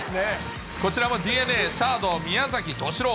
こちらもＤｅＮＡ、サード、宮崎敏郎。